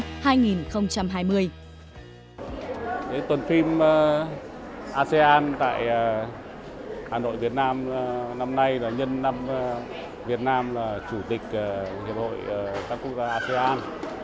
chương trình asean tại hà nội việt nam năm nay là nhân năm việt nam là chủ tịch hiệp hội các quốc gia asean